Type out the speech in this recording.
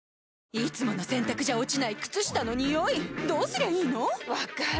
いつもの洗たくじゃ落ちない靴下のニオイどうすりゃいいの⁉分かる。